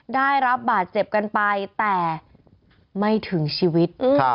ได้รับบาดเจ็บกันไปแต่ไม่ถึงชีวิต